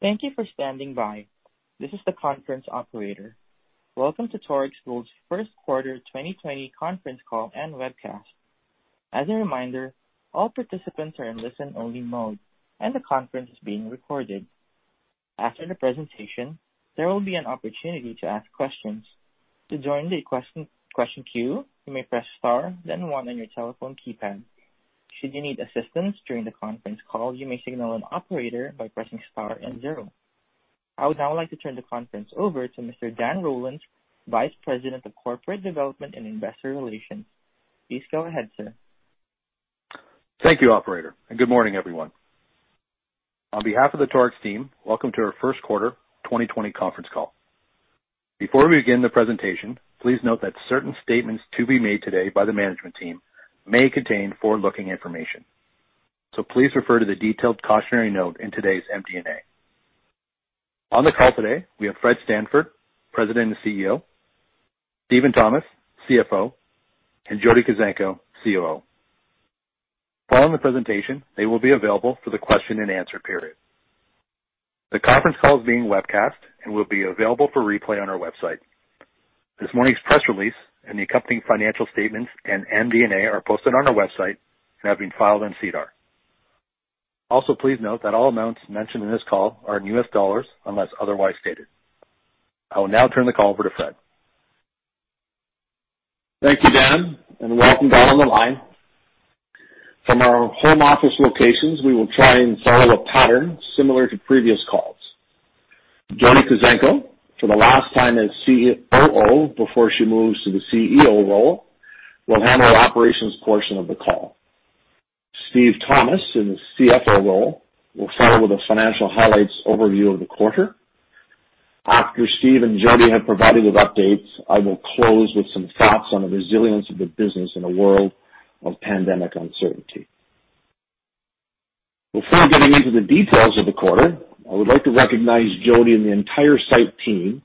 Thank you for standing by. This is the conference operator. Welcome to Torex Gold's first quarter 2020 conference call and webcast. As a reminder, all participants are in listen only mode, and the conference is being recorded. After the presentation, there will be an opportunity to ask questions. To join the question queue, you may press star, then one on your telephone keypad. Should you need assistance during the conference call, you may signal an operator by pressing star and zero. I would now like to turn the conference over to Mr. Dan Rollins, Vice President of Corporate Development and Investor Relations. Please go ahead, sir. Thank you, operator, and good morning, everyone. On behalf of the Torex team, welcome to our first quarter 2020 conference call. Before we begin the presentation, please note that certain statements to be made today by the management team may contain forward-looking information. Please refer to the detailed cautionary note in today's MD&A. On the call today, we have Fred Stanford, President and CEO, Steven Thomas, CFO, and Jody Kuzenko, COO. Following the presentation, they will be available for the question and answer period. The conference call is being webcast and will be available for replay on our website. This morning's press release and the accompanying financial statements and MD&A are posted on our website and have been filed on SEDAR. Please note that all amounts mentioned in this call are in US dollars, unless otherwise stated. I will now turn the call over to Fred. Thank you, Dan, and welcome to all on the line. From our home office locations, we will try and follow a pattern similar to previous calls. Jody Kuzenko, for the last time as COO before she moves to the CEO role, will handle the operations portion of the call. Steven Thomas, in his CFO role, will follow with a financial highlights overview of the quarter. After Steven and Jody have provided those updates, I will close with some thoughts on the resilience of the business in a world of pandemic uncertainty. Before getting into the details of the quarter, I would like to recognize Jody and the entire site team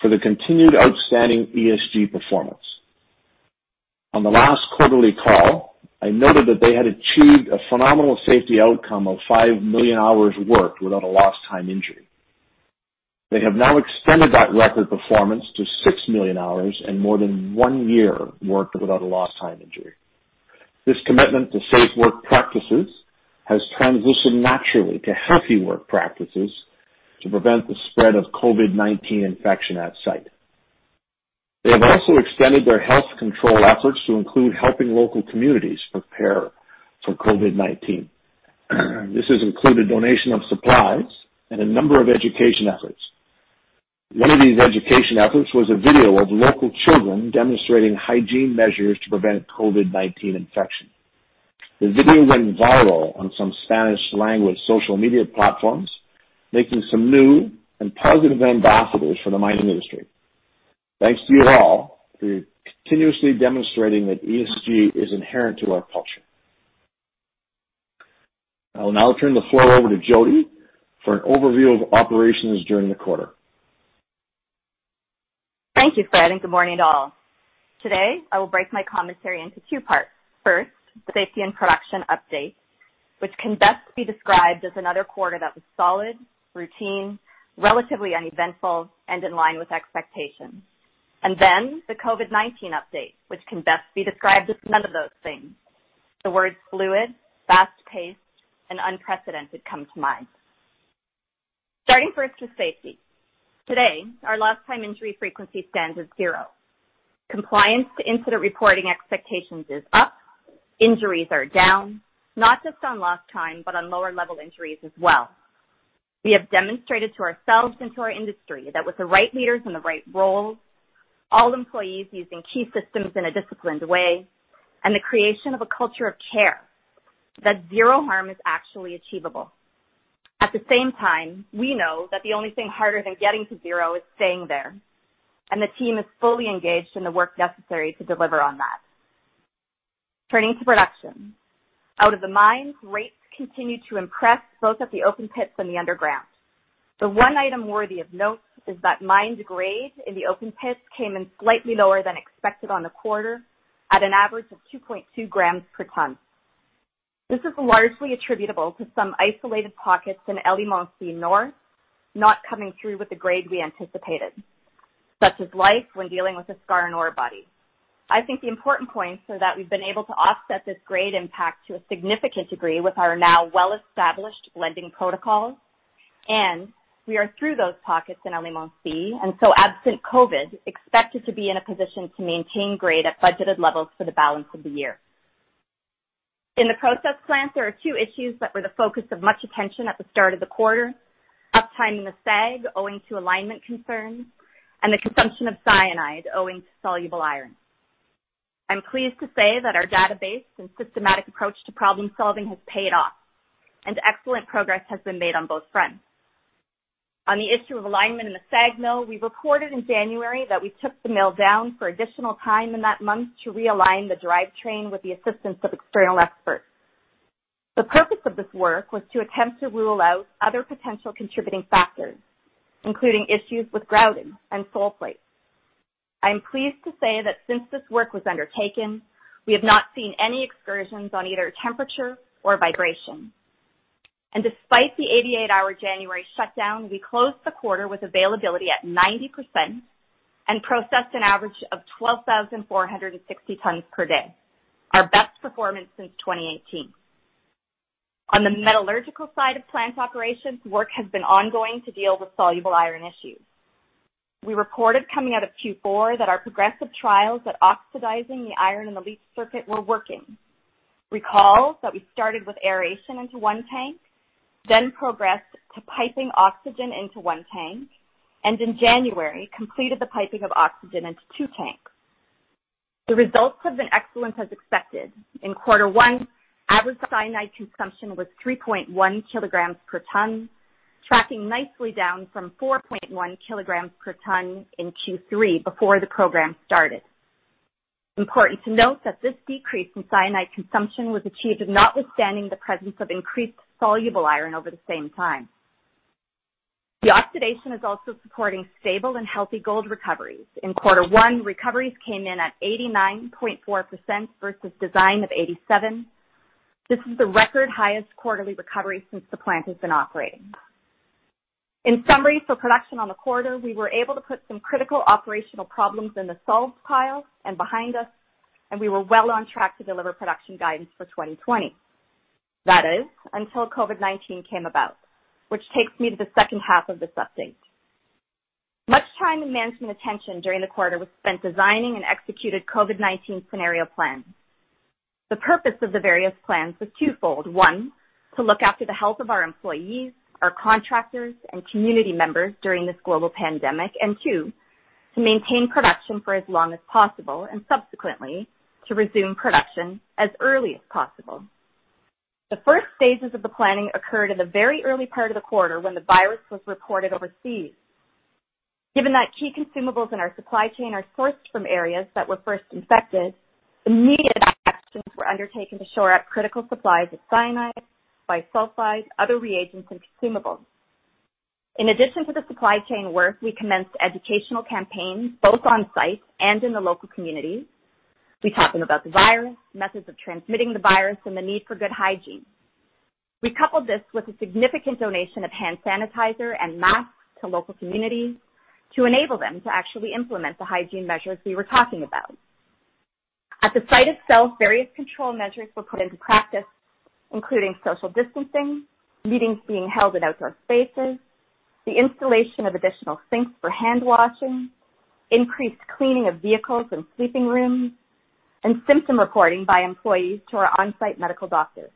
for the continued outstanding ESG performance. On the last quarterly call, I noted that they had achieved a phenomenal safety outcome of 5 million hours worked without a lost time injury. They have now extended that record performance to 6 million hours and more than one year worked without a lost time injury. This commitment to safe work practices has transitioned naturally to healthy work practices to prevent the spread of COVID-19 infection at site. They have also extended their health control efforts to include helping local communities prepare for COVID-19. This has included donation of supplies and a number of education efforts. One of these education efforts was a video of local children demonstrating hygiene measures to prevent COVID-19 infection. The video went viral on some Spanish language social media platforms, making some new and positive ambassadors for the mining industry. Thanks to you all for continuously demonstrating that ESG is inherent to our culture. I will now turn the floor over to Jody for an overview of operations during the quarter. Thank you, Fred, and good morning to all. Today, I will break my commentary into two parts. First, the safety and production update, which can best be described as another quarter that was solid, routine, relatively uneventful, and in line with expectations. Then the COVID-19 update, which can best be described as none of those things. The words fluid, fast-paced, and unprecedented come to mind. Starting first with safety. Today, our lost time injury frequency stands at zero. Compliance to incident reporting expectations is up. Injuries are down, not just on lost time, but on lower-level injuries as well. We have demonstrated to ourselves and to our industry that with the right leaders in the right roles, all employees using key systems in a disciplined way, and the creation of a culture of care, that zero harm is actually achievable. At the same time, we know that the only thing harder than getting to zero is staying there, and the team is fully engaged in the work necessary to deliver on that. Turning to production. Out of the mines, rates continue to impress both at the open pits and the underground. The one item worthy of note is that mined grade in the open pits came in slightly lower than expected on the quarter at an average of 2.2 grams per ton. This is largely attributable to some isolated pockets in El Limón C North not coming through with the grade we anticipated. Such is life when dealing with a skarn ore body. I think the important points are that we've been able to offset this grade impact to a significant degree with our now well-established blending protocols, and we are through those pockets in El Limón Sur, and so absent COVID, expected to be in a position to maintain grade at budgeted levels for the balance of the year. In the process plant, there are two issues that were the focus of much attention at the start of the quarter. Uptime in the SAG owing to alignment concerns and the consumption of cyanide owing to soluble iron. I'm pleased to say that our database and systematic approach to problem-solving has paid off, and excellent progress has been made on both fronts. On the issue of alignment in the SAG mill, we reported in January that we took the mill down for additional time in that month to realign the drive train with the assistance of external experts. The purpose of this work was to attempt to rule out other potential contributing factors, including issues with grouting and sole plate. I am pleased to say that since this work was undertaken, we have not seen any excursions on either temperature or vibration. Despite the 88-hour January shutdown, we closed the quarter with availability at 90% and processed an average of 12,460 tons per day, our best performance since 2018. On the metallurgical side of plant operations, work has been ongoing to deal with soluble iron issues. We reported coming out of Q4 that our progressive trials at oxidizing the iron in the leach circuit were working. Recall that we started with aeration into one tank, then progressed to piping oxygen into one tank, and in January, completed the piping of oxygen into two tanks. The results have been excellent as expected. In quarter one, average cyanide consumption was 3.1 kg per ton, tracking nicely down from 4.1 kg per ton in Q3 before the program started. Important to note that this decrease in cyanide consumption was achieved notwithstanding the presence of increased soluble iron over the same time. The oxidation is also supporting stable and healthy gold recoveries. In quarter one, recoveries came in at 89.4% versus design of 87. This is the record highest quarterly recovery since the plant has been operating. In summary, for production on the quarter, we were able to put some critical operational problems in the solved pile and behind us, and we were well on track to deliver production guidance for 2020. That is, until COVID-19 came about, which takes me to the second half of this update. Much time and management attention during the quarter was spent designing and executing COVID-19 scenario plans. The purpose of the various plans was twofold. One, to look after the health of our employees, our contractors, and community members during this global pandemic, and two, to maintain production for as long as possible, and subsequently, to resume production as early as possible. The first stages of the planning occurred in the very early part of the quarter when the virus was reported overseas. Given that key consumables in our supply chain are sourced from areas that were first infected, immediate actions were undertaken to shore up critical supplies of cyanide, bisulfite, other reagents, and consumables. In addition to the supply chain work, we commenced educational campaigns both on-site and in the local communities. We talked to them about the virus, methods of transmitting the virus, and the need for good hygiene. We coupled this with a significant donation of hand sanitizer and masks to local communities to enable them to actually implement the hygiene measures we were talking about. At the site itself, various control measures were put into practice, including social distancing, meetings being held in outdoor spaces, the installation of additional sinks for handwashing, increased cleaning of vehicles and sleeping rooms, and symptom reporting by employees to our on-site medical doctors.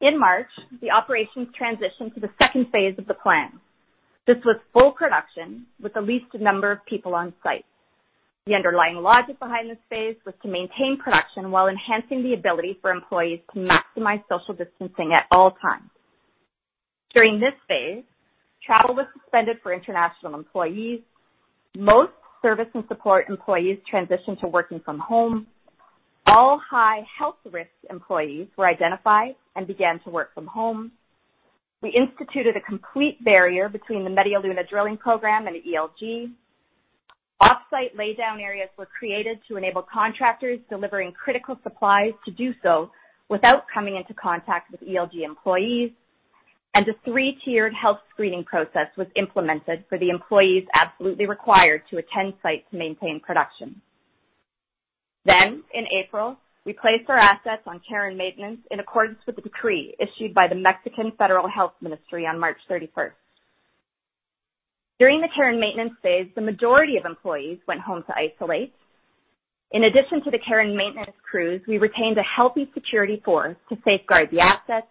In March, the operations transitioned to the second phase of the plan. This was full production with the least number of people on site. The underlying logic behind this phase was to maintain production while enhancing the ability for employees to maximize social distancing at all times. During this phase, travel was suspended for international employees. Most service and support employees transitioned to working from home. All high health risk employees were identified and began to work from home. We instituted a complete barrier between the Media Luna drilling program and ELD. Off-site laydown areas were created to enable contractors delivering critical supplies to do so without coming into contact with ELG employees. A three-tiered health screening process was implemented for the employees absolutely required to attend site to maintain production. In April, we placed our assets on care and maintenance in accordance with the decree issued by the Mexican Federal Health Ministry on March 31st. During the care and maintenance phase, the majority of employees went home to isolate. In addition to the care and maintenance crews, we retained a healthy security force to safeguard the assets,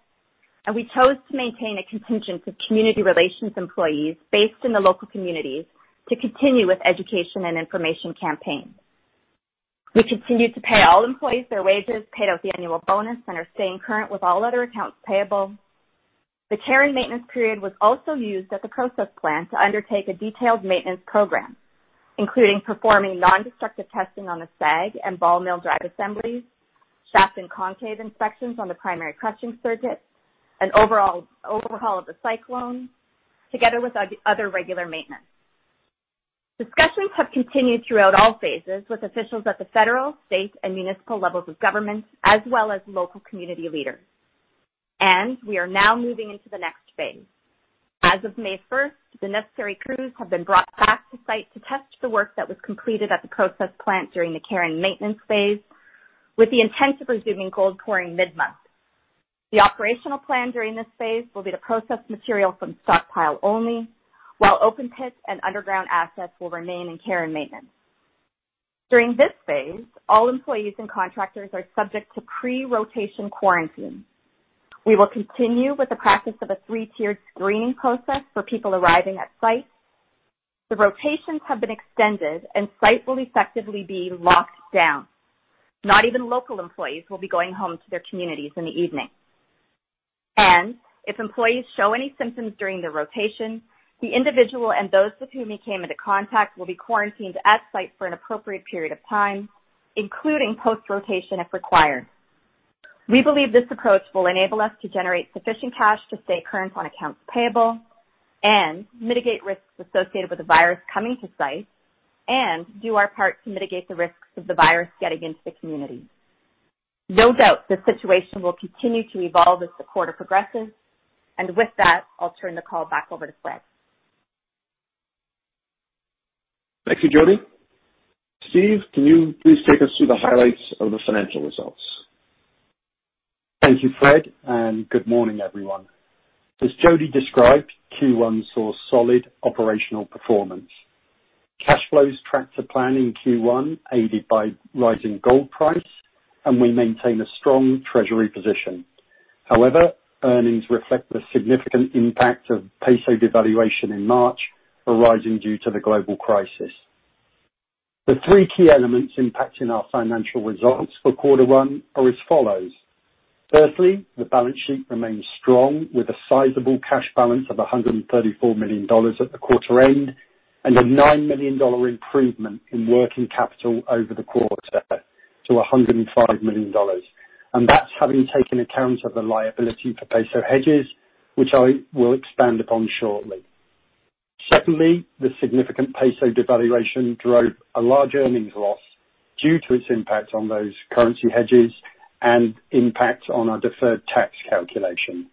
and we chose to maintain a contingent of community relations employees based in the local communities to continue with education and information campaigns. We continued to pay all employees their wages, paid out the annual bonus, and are staying current with all other accounts payable. The care and maintenance period was also used at the process plant to undertake a detailed maintenance program, including performing non-destructive testing on the SAG and ball mill drive assemblies, shaft and concave inspections on the primary crushing circuit, an overhaul of the cyclone, together with other regular maintenance. Discussions have continued throughout all phases with officials at the federal, state, and municipal levels of government, as well as local community leaders. We are now moving into the next phase. As of May 1st, the necessary crews have been brought back to site to test the work that was completed at the process plant during the care and maintenance phase with the intent of resuming gold pouring mid-month. The operational plan during this phase will be to process material from stockpile only, while open pit and underground assets will remain in care and maintenance. During this phase, all employees and contractors are subject to pre-rotation quarantine. We will continue with the practice of a three-tiered screening process for people arriving at site. The rotations have been extended, and site will effectively be locked down. Not even local employees will be going home to their communities in the evening. If employees show any symptoms during the rotation, the individual and those with whom he came into contact will be quarantined at site for an appropriate period of time, including post-rotation if required. We believe this approach will enable us to generate sufficient cash to stay current on accounts payable and mitigate risks associated with the virus coming to site and do our part to mitigate the risks of the virus getting into the community. No doubt, the situation will continue to evolve as the quarter progresses. With that, I'll turn the call back over to Fred. Thank you, Jody. Steven, can you please take us through the highlights of the financial results? Thank you, Fred. Good morning, everyone. As Jody described, Q1 saw solid operational performance. Cash flows tracked to plan in Q1, aided by rising gold price, and we maintain a strong treasury position. However, earnings reflect the significant impact of peso devaluation in March, arising due to the global crisis. The three key elements impacting our financial results for quarter one are as follows. Firstly, the balance sheet remains strong, with a sizable cash balance of $134 million at the quarter end and a $9 million improvement in working capital over the quarter to $105 million. That's having taken account of the liability for peso hedges, which I will expand upon shortly. Secondly, the significant peso devaluation drove a large earnings loss due to its impact on those currency hedges and impact on our deferred tax calculation.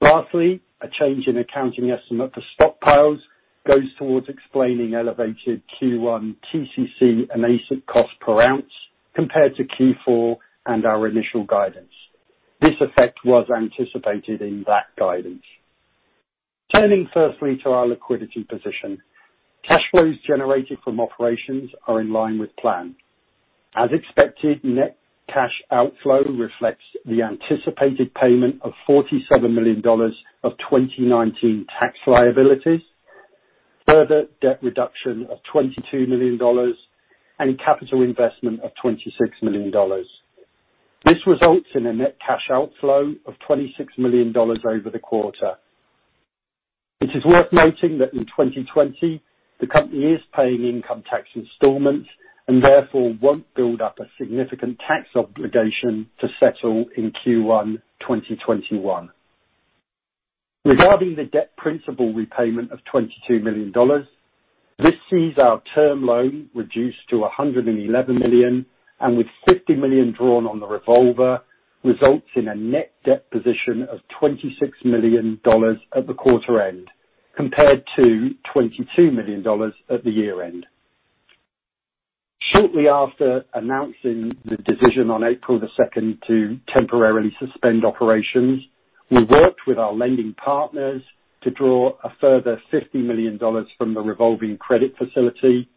Lastly, a change in accounting estimate for stockpiles goes towards explaining elevated Q1 TCC and AISC cost per ounce compared to Q4 and our initial guidance. This effect was anticipated in that guidance. Turning firstly to our liquidity position. Cash flows generated from operations are in line with plan. As expected, net cash outflow reflects the anticipated payment of $47 million of 2019 tax liabilities, further debt reduction of $22 million, and capital investment of $26 million. This results in a net cash outflow of $26 million over the quarter. It is worth noting that in 2020, the company is paying income tax installments and therefore won't build up a significant tax obligation to settle in Q1 2021. Regarding the debt principal repayment of $22 million, this sees our term loan reduced to $111 million, and with $50 million drawn on the revolver, results in a net debt position of $26 million at the quarter end, compared to $22 million at the year-end. Shortly after announcing the decision on April 2nd to temporarily suspend operations, we worked with our lending partners to draw a further $50 million from the revolving credit facility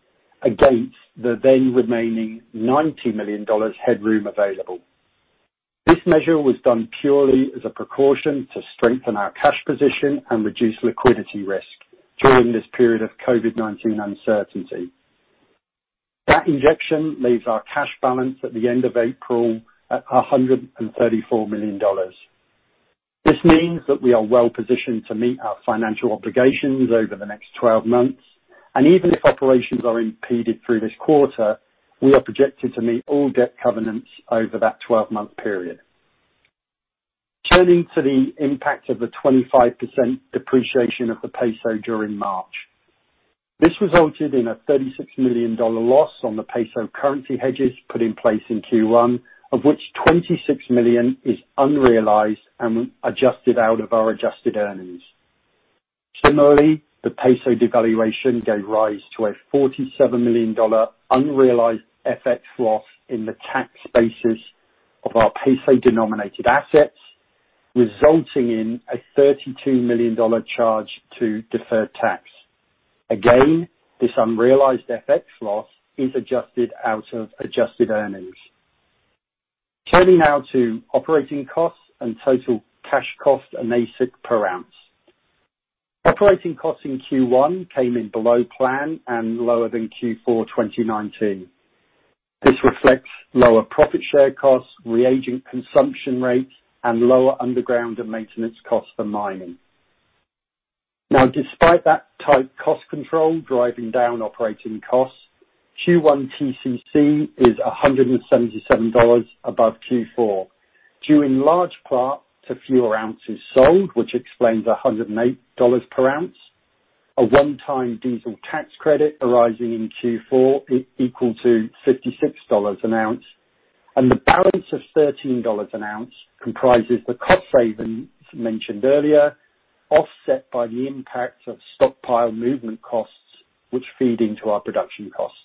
against the then remaining $90 million headroom available. This measure was done purely as a precaution to strengthen our cash position and reduce liquidity risk during this period of COVID-19 uncertainty. That injection leaves our cash balance at the end of April at $134 million. This means that we are well-positioned to meet our financial obligations over the next 12 months, and even if operations are impeded through this quarter, we are projected to meet all debt covenants over that 12-month period. Turning to the impact of the 25% depreciation of the peso during March. This resulted in a $36 million loss on the peso currency hedges put in place in Q1, of which $26 million is unrealized and adjusted out of our adjusted earnings. Similarly, the peso devaluation gave rise to a $47 million unrealized FX loss in the tax basis of our peso-denominated assets, resulting in a $32 million charge to deferred tax. Again, this unrealized FX loss is adjusted out of adjusted earnings. Turning now to operating costs and total cash cost and AISC per ounce. Operating costs in Q1 came in below plan and lower than Q4 2019. This reflects lower profit share costs, reagent consumption rates, and lower underground and maintenance costs for mining. Despite that tight cost control driving down operating costs, Q1 TCC is $177 above Q4, due in large part to fewer ounces sold, which explains $108 per ounce, a one-time diesel tax credit arising in Q4 equal to $56 an ounce, and the balance of $13 an ounce comprises the cost savings mentioned earlier, offset by the impact of stockpile movement costs, which feed into our production costs.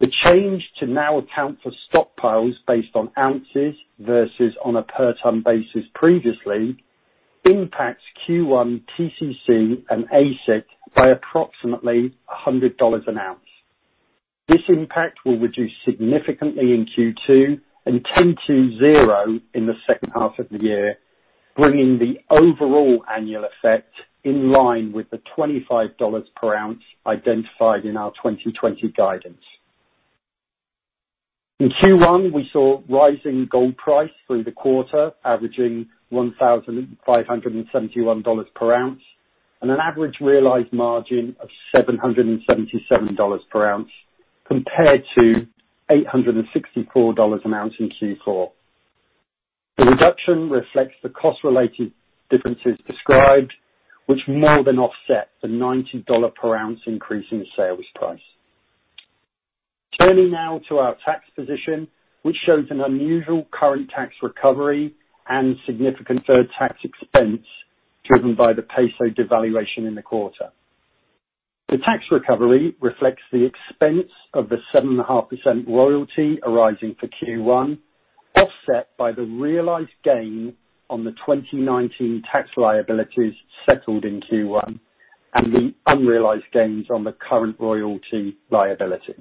The change to now account for stockpiles based on ounces versus on a per ton basis previously impacts Q1 TCC and AISC by approximately $100 an ounce. This impact will reduce significantly in Q2 and tend to zero in the second half of the year, bringing the overall annual effect in line with the $25 per ounce identified in our 2020 guidance. In Q1, we saw rising gold price through the quarter, averaging $1,571 per ounce. An average realized margin of $777 per ounce compared to $864 an ounce in Q4. The reduction reflects the cost-related differences described, which more than offset the $90 per ounce increase in sales price. Turning now to our tax position, which shows an unusual current tax recovery and significant deferred tax expense driven by the peso devaluation in the quarter. The tax recovery reflects the expense of the 7.5% royalty arising for Q1, offset by the realized gain on the 2019 tax liabilities settled in Q1, and the unrealized gains on the current royalty liability.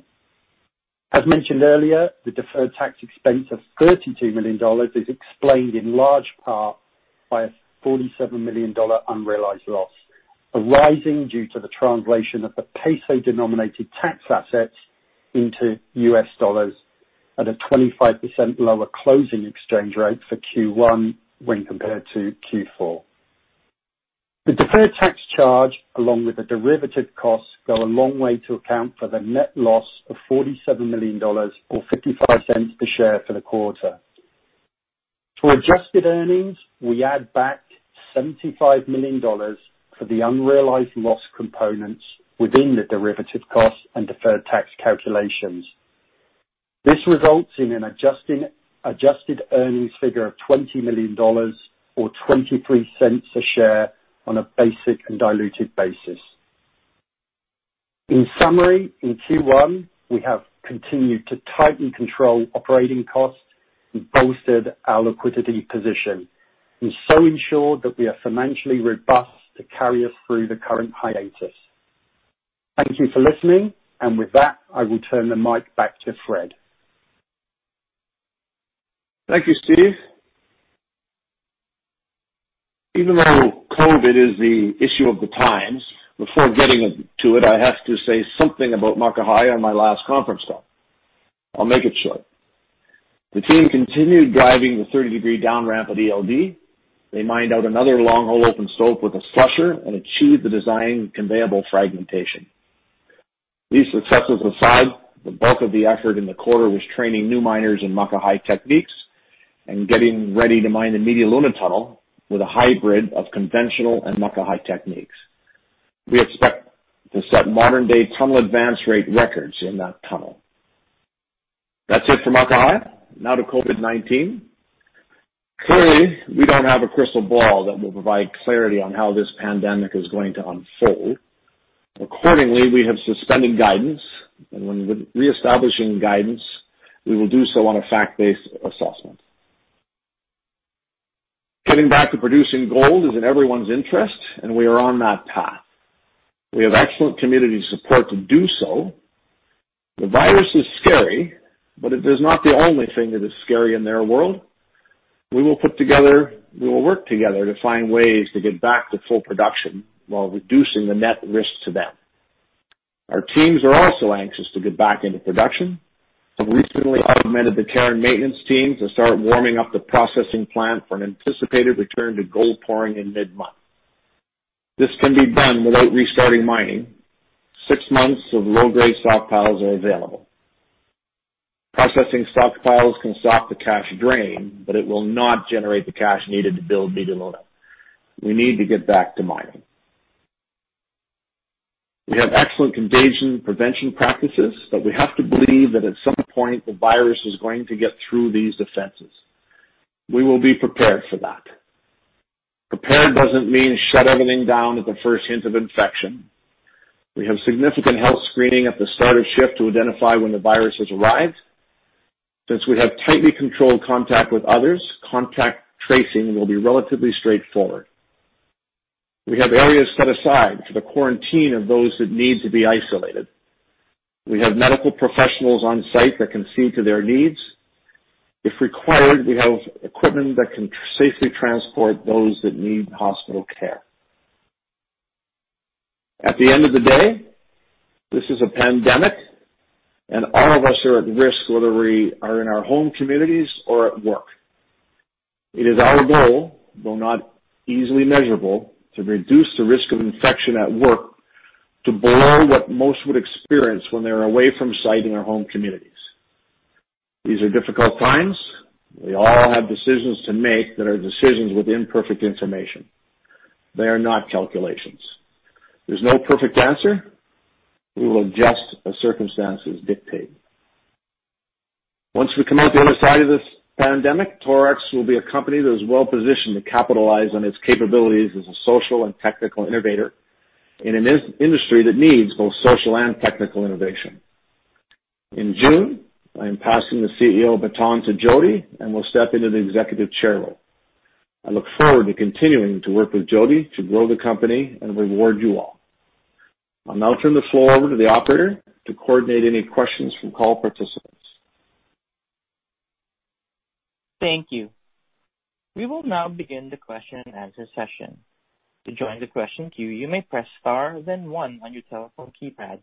As mentioned earlier, the deferred tax expense of $32 million is explained in large part by a $47 million unrealized loss arising due to the translation of the MXN-denominated tax assets into US dollars at a 25% lower closing exchange rate for Q1 when compared to Q4. The deferred tax charge, along with the derivative costs, go a long way to account for the net loss of $47 million or $0.55 per share for the quarter. For adjusted earnings, we add back $75 million for the unrealized loss components within the derivative costs and deferred tax calculations. This results in an adjusted earnings figure of $20 million or $0.23 a share on a basic and diluted basis. In summary, in Q1, we have continued to tightly control operating costs and bolstered our liquidity position and so ensured that we are financially robust to carry us through the current hiatus. Thank you for listening. With that, I will turn the mic back to Fred. Thank you, Steve. Even though COVID is the issue of the times, before getting to it, I have to say something about Muckahi on my last conference call. I'll make it short. The team continued driving the 30-degree down ramp at ELD. They mined out another long hole open stope with a slusher and achieved the design conveyable fragmentation. These successes aside, the bulk of the effort in the quarter was training new miners in Muckahi techniques and getting ready to mine the Media Luna tunnel with a hybrid of conventional and Muckahi techniques. We expect to set modern-day tunnel advance rate records in that tunnel. That's it for Muckahi. Now to COVID-19. Clearly, we don't have a crystal ball that will provide clarity on how this pandemic is going to unfold. Accordingly, we have suspended guidance, and when reestablishing guidance, we will do so on a fact-based assessment. Getting back to producing gold is in everyone's interest, and we are on that path. We have excellent community support to do so. The virus is scary, but it is not the only thing that is scary in their world. We will work together to find ways to get back to full production while reducing the net risk to them. Our teams are also anxious to get back into production. We recently augmented the care and maintenance team to start warming up the processing plant for an anticipated return to gold pouring in mid-month. This can be done without restarting mining. Six months of low-grade stock piles are available. Processing stock piles can stop the cash drain, but it will not generate the cash needed to build Media Luna. We need to get back to mining. We have excellent contagion prevention practices, but we have to believe that at some point, the virus is going to get through these defenses. We will be prepared for that. Prepared doesn't mean shut everything down at the first hint of infection. We have significant health screening at the start of shift to identify when the virus has arrived. Since we have tightly controlled contact with others, contact tracing will be relatively straightforward. We have areas set aside for the quarantine of those that need to be isolated. We have medical professionals on-site that can see to their needs. If required, we have equipment that can safely transport those that need hospital care. At the end of the day, this is a pandemic, and all of us are at risk, whether we are in our home communities or at work. It is our goal, though not easily measurable, to reduce the risk of infection at work to below what most would experience when they are away from site in their home communities. These are difficult times. We all have decisions to make that are decisions with imperfect information. They are not calculations. There's no perfect answer. We will adjust as circumstances dictate. Once we come out the other side of this pandemic, Torex will be a company that is well-positioned to capitalize on its capabilities as a social and technical innovator in an industry that needs both social and technical innovation. In June, I am passing the CEO baton to Jody and will step into the Executive Chair role. I look forward to continuing to work with Jody to grow the company and reward you all. I'll now turn the floor over to the operator to coordinate any questions from call participants. Thank you. We will now begin the question and answer session. To join the question queue, you may press star then one on your telephone keypad.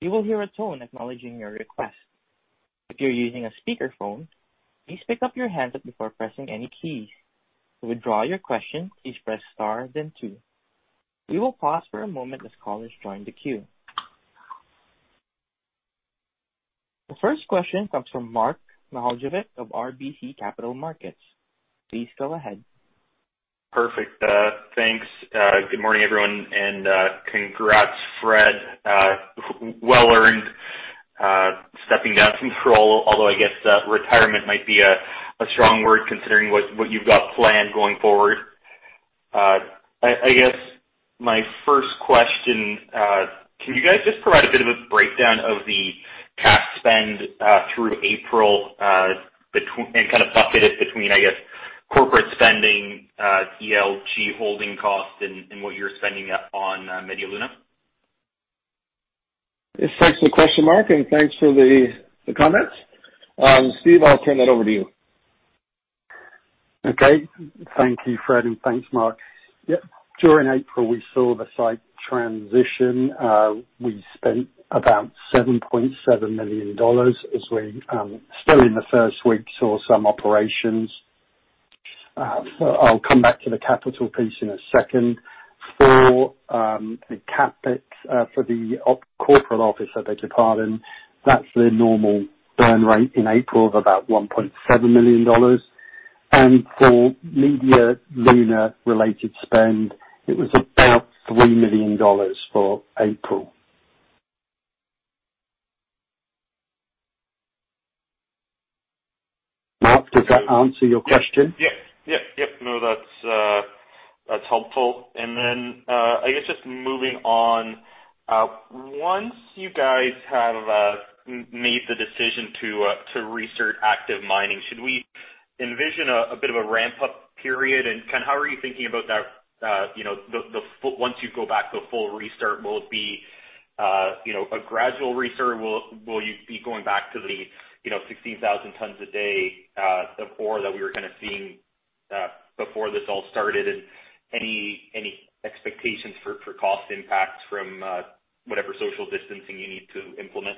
You will hear a tone acknowledging your request. If you're using a speakerphone, please pick up your handset before pressing any keys. To withdraw your question, please press star then two. We will pause for a moment as callers join the queue. The first question comes from Mark Mihaljevic of RBC Capital Markets. Please go ahead. Perfect. Thanks. Good morning, everyone, and congrats, Fred. Well earned. Stepping down from the role, although I guess retirement might be a strong word considering what you've got planned going forward. I guess my first question, can you guys just provide a bit of a breakdown of the CapEx spend through April and kind of bucket it between, I guess, corporate spending, ELD holding costs and what you're spending on Media Luna? Yes, thanks for the question, Mark, and thanks for the comments. Steve, I'll turn that over to you. Okay. Thank you, Fred, and thanks, Mark. During April, we saw the site transition. We spent about $7.7 million as we still in the first week saw some operations. I'll come back to the capital piece in a second. For the OP corporate office, I beg your pardon, that's their normal burn rate in April of about $1.7 million. For Media Luna related spend, it was about $3 million for April. Mark, does that answer your question? Yep. No, that's helpful. I guess just moving on, once you guys have made the decision to restart active mining, should we envision a bit of a ramp-up period? How are you thinking about that once you go back to a full restart? Will it be a gradual restart? Will you be going back to the 16,000 tons a day of ore that we were kind of seeing before this all started? Any expectations for cost impacts from whatever social distancing you need to implement?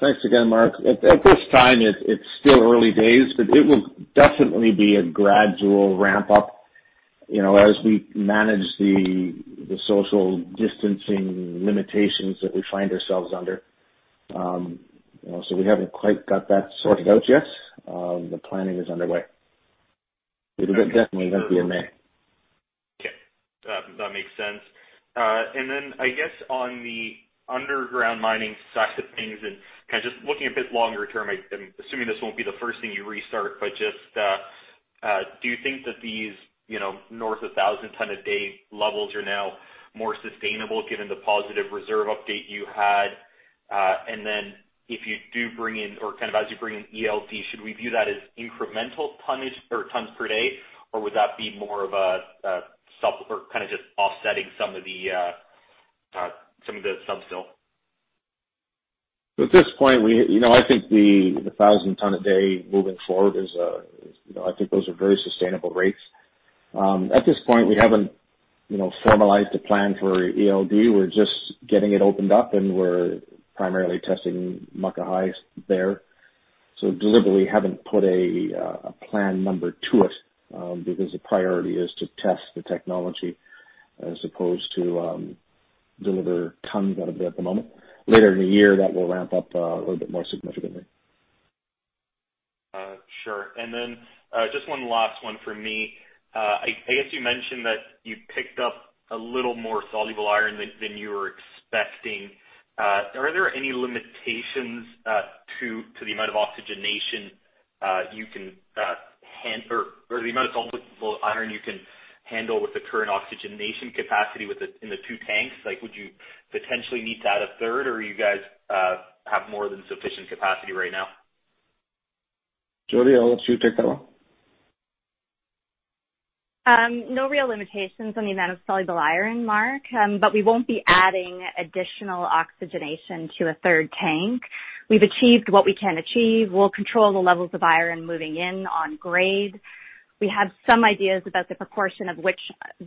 Thanks again, Mark. At this time, it's still early days. It will definitely be a gradual ramp-up as we manage the social distancing limitations that we find ourselves under. We haven't quite got that sorted out yet. The planning is underway. It definitely won't be in May. Okay. That makes sense. I guess on the underground mining side of things and kind of just looking a bit longer term, I'm assuming this won't be the first thing you restart, but just do you think that these north of 1,000 ton a day levels are now more sustainable given the positive reserve update you had? If you do bring in, or kind of as you bring in ELD, should we view that as incremental tonnage or tons per day, or would that be more of a self or kind of just offsetting some of the sub-sill? At this point, I think the 1,000 ton a day moving forward is, I think those are very sustainable rates. At this point, we haven't formalized a plan for ELD. We're just getting it opened up, and we're primarily testing Muckahi there. Deliberately haven't put a plan number to it because the priority is to test the technology as opposed to deliver tons out of it at the moment. Later in the year, that will ramp up a little bit more significantly. Sure. Just one last one from me. I guess you mentioned that you picked up a little more soluble iron than you were expecting. Are there any limitations to the amount of oxygenation you can hand or the amount of soluble iron you can handle with the current oxygenation capacity within the two tanks? Would you potentially need to add a third, or you guys have more than sufficient capacity right now? Jody, I'll let you take that one. No real limitations on the amount of soluble iron, Mark. We won't be adding additional oxygenation to a third tank. We've achieved what we can achieve. We'll control the levels of iron moving in on grade. We have some ideas about the proportion of which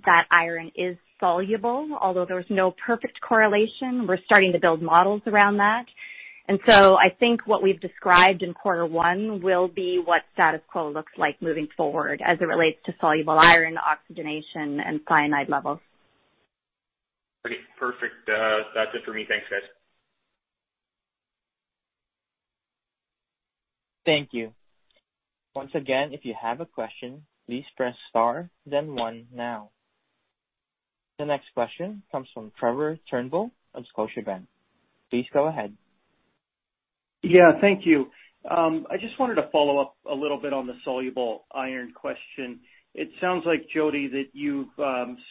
that iron is soluble, although there's no perfect correlation. We're starting to build models around that. I think what we've described in quarter one will be what status quo looks like moving forward as it relates to soluble iron oxygenation and cyanide levels. Okay, perfect. That's it for me. Thanks, guys. Thank you. Once again, if you have a question, please press star then one now. The next question comes from Trevor Turnbull of Scotiabank. Please go ahead. Yeah, thank you. I just wanted to follow up a little bit on the soluble iron question. It sounds like, Jody, that you've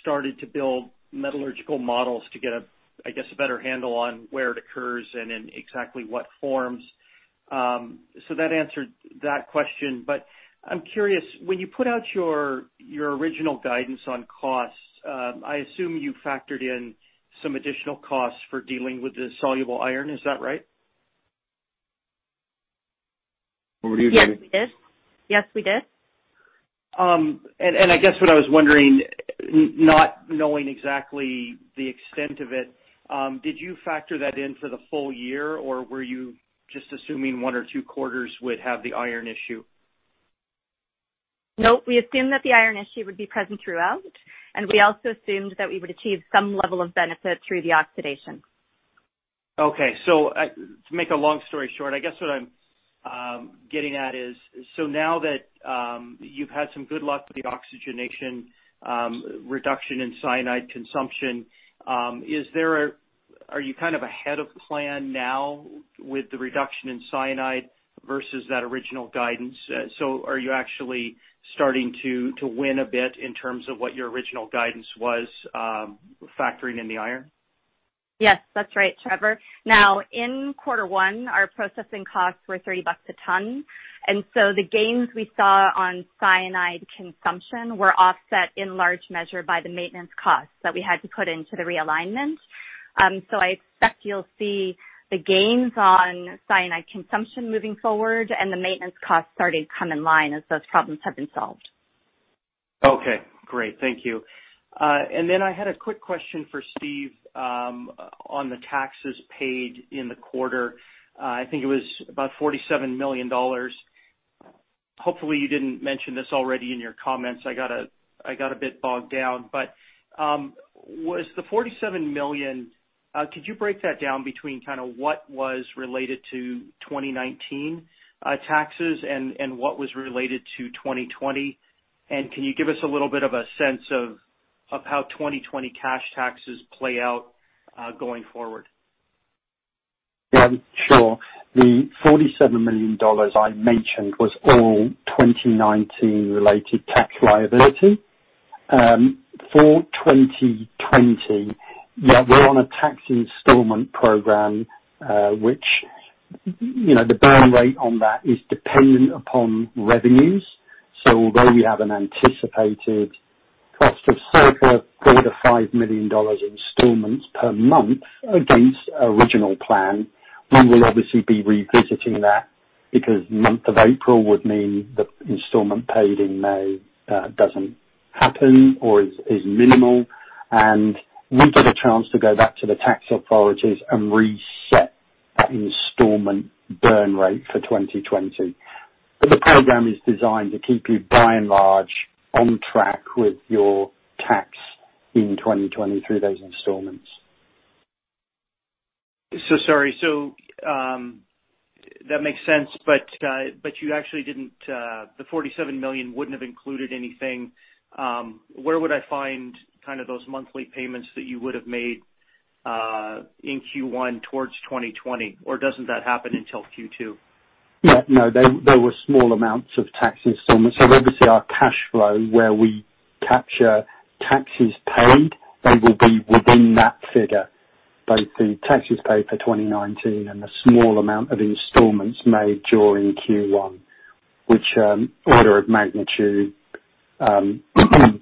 started to build metallurgical models to get, I guess, a better handle on where it occurs and in exactly what forms. That answered that question. I'm curious, when you put out your original guidance on costs, I assume you factored in some additional costs for dealing with the soluble iron. Is that right? Yes, we did. I guess what I was wondering, not knowing exactly the extent of it, did you factor that in for the full year, or were you just assuming one or two quarters would have the iron issue? No. We assumed that the iron issue would be present throughout, and we also assumed that we would achieve some level of benefit through the oxidation. To make a long story short, I guess what I'm getting at is, now that you've had some good luck with the oxygenation reduction in cyanide consumption, are you kind of ahead of plan now with the reduction in cyanide versus that original guidance? Are you actually starting to win a bit in terms of what your original guidance was, factoring in the iron? Yes, that's right, Trevor. In quarter one, our processing costs were $30 a ton, the gains we saw on cyanide consumption were offset in large measure by the maintenance costs that we had to put into the realignment. I expect you'll see the gains on cyanide consumption moving forward and the maintenance costs starting to come in line as those problems have been solved. Okay, great. Thank you. Then I had a quick question for Steve on the taxes paid in the quarter. I think it was about $47 million. Hopefully you didn't mention this already in your comments. I got a bit bogged down. Was the $47 million, could you break that down between what was related to 2019 taxes and what was related to 2020? Can you give us a little bit of a sense of how 2020 cash taxes play out going forward? Yeah, sure. The $47 million I mentioned was all 2019 related tax liability. For 2020, we're on a tax installment program, which the burn rate on that is dependent upon revenues. Although we have an anticipated cost of circa $3 million-$5 million installments per month against original plan, we will obviously be revisiting that because month of April would mean the installment paid in May doesn't happen or is minimal, and we get a chance to go back to the tax authorities and reset that installment burn rate for 2020. The program is designed to keep you by and large on track with your tax in 2020 through those installments. Sorry. That makes sense. You actually didn't, the $47 million wouldn't have included anything. Where would I find those monthly payments that you would have made in Q1 towards 2020? Doesn't that happen until Q2? Yeah, no. There were small amounts of tax installments. Obviously our cash flow where we capture taxes paid, they will be within that figure, both the taxes paid for 2019 and the small amount of installments made during Q1, which order of magnitude, about $5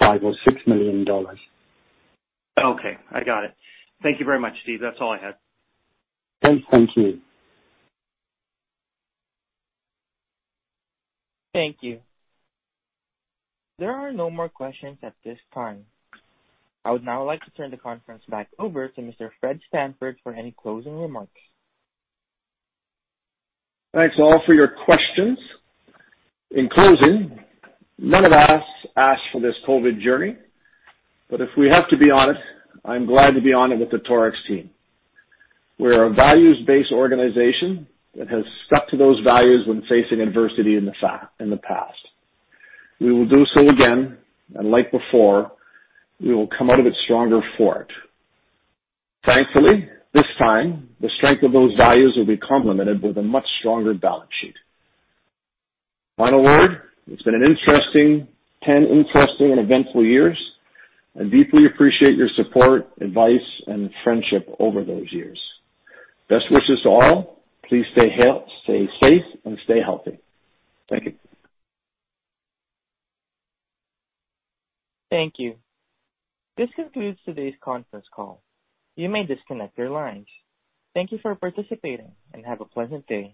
million or $6 million. Okay, I got it. Thank you very much, Steve. That's all I had. Okay. Thank you. Thank you. There are no more questions at this time. I would now like to turn the conference back over to Mr. Fred Stanford for any closing remarks. Thanks all for your questions. In closing, none of us asked for this COVID journey, but if we have to be on it, I'm glad to be on it with the Torex team. We're a values-based organization that has stuck to those values when facing adversity in the past. We will do so again, and like before, we will come out of it stronger for it. Thankfully, this time, the strength of those values will be complemented with a much stronger balance sheet. Final word, it's been an interesting 10 interesting and eventful years. I deeply appreciate your support, advice, and friendship over those years. Best wishes to all. Please stay safe and stay healthy. Thank you. Thank you. This concludes today's conference call. You may disconnect your lines. Thank you for participating and have a pleasant day.